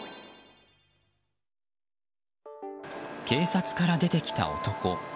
警察から出てきた男。